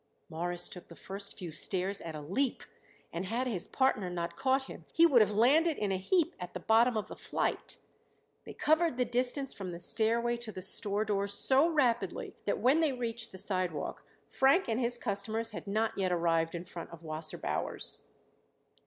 Morris took the first few stairs at a leap, and had his partner not caught him he would have landed in a heap at the bottom of the flight. They covered the distance from the stairway to the store door so rapidly that when they reached the sidewalk Frank and his customers had not yet arrived in front of Wasserbauer's.